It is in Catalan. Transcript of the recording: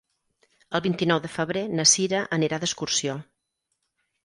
El vint-i-nou de febrer na Cira anirà d'excursió.